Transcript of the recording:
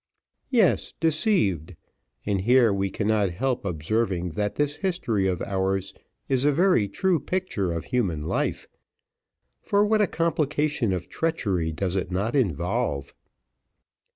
Yes, deceived; and here we cannot help observing, that this history of ours is a very true picture of human life for what a complication of treachery does it not involve!